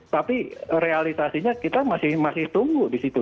tapi realisasinya kita masih tunggu di situ